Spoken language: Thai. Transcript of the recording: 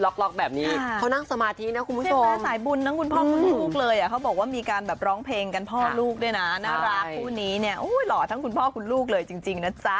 ครับทำเป็นเรื่องปกติ